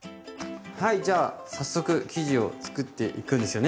はいじゃあ早速生地を作っていくんですよね？